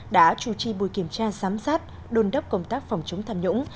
đã chủ trì buổi kiểm tra giám sát đôn đốc công tác phòng chống tham nhũng